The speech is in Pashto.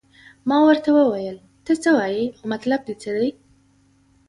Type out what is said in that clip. ما ورته وویل ته څه وایې او مطلب دې څه دی.